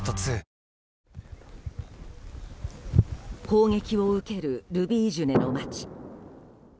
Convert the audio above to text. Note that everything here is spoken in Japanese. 砲撃を受けるルビージュネの街。